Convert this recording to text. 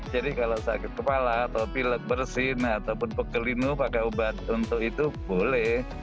jadi kalau sakit kepala atau pilak bersin ataupun pekelinu pakai obat untuk itu boleh